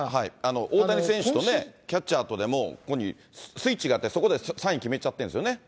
大谷選手とね、キャッチャーとでも、ここにスイッチがあって、そこでサイン決めちゃってるんですよね。